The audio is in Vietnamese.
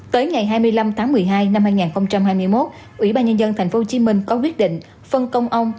tới ngày hai mươi năm tháng một mươi hai năm hai nghìn hai mươi một ủy ban nhân dân tp hcm có quyết định phân công ông